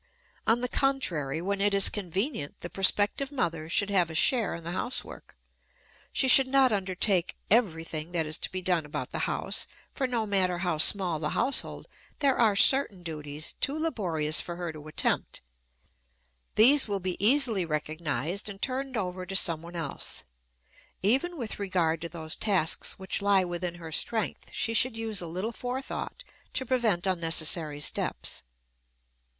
On the contrary, when it is convenient, the prospective mother should have a share in the housework. She should not undertake everything that is to be done about the house, for no matter how small the household there are certain duties too laborious for her to attempt; these will be easily recognized and turned over to someone else. Even with regard to those tasks which lie within her strength she should use a little forethought to prevent unnecessary steps.